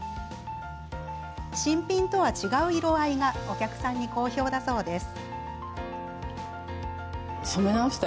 新品とは違う色合いがお客さんに好評だそうです。